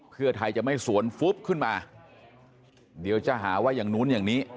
เพื่อไทยจะไม่สวนฟุบขึ้นมาเดี๋ยวจะหาว่าอย่างนู้นอย่างนี้